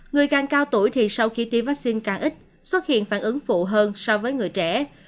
người càng cao tuổi thì sau khi tiêm vaccine càng ít xuất hiện phản ứng phụ hơn so với người trẻ